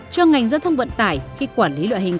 cho ngành giao thông vận tải khi quản lý loại hình